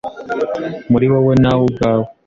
muri wowe nawe ubwawe